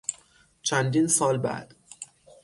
چندین سال بعد